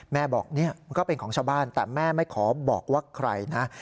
แม่บอกเนี่ยมันก็เป็นของชาวบ้านแต่แม่ไม่ขอบอกว่าใครนะ